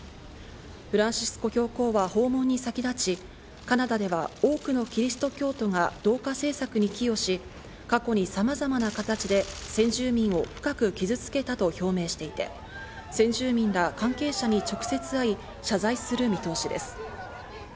フランシスコ教皇は訪問に先立ち、カナダでは多くのキリスト教徒が同化政策に寄与し、過去にさまざまな形で先住民を深く傷付けたと表明していて、先住民ら関係者に直接会い、謝罪する見通しです。